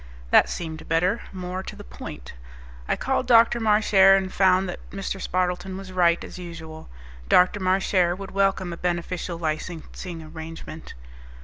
That seemed better, more to the point. I called Dr. Marchare and found that Mr. Spardleton was right, as usual. Dr. Marchare would welcome a beneficial licensing arrangement.